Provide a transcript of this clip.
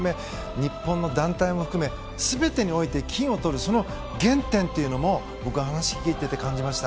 日本の団体も含め全てにおいて金を取るその原点っていうのも僕は、話聞いてて感じました。